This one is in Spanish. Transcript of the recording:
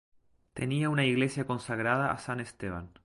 Tenía una iglesia consagrada a San Esteban.